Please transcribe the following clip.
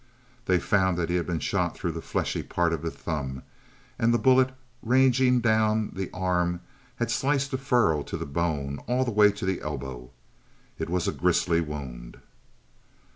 They found that he had been shot through the fleshy part of the thumb, and the bullet, ranging down the arm, had sliced a furrow to the bone all the way to the elbow. It was a grisly wound.